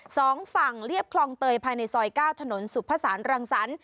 สองฝั่งเรียบคลองเตยภายในซอยเก้าถนนสุภาษารังสรรค